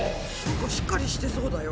しっかりしてそうだよ。